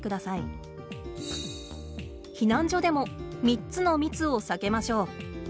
避難所でも３つの密を避けましょう。